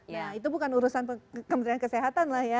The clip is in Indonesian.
nah itu bukan urusan kementerian kesehatan lah ya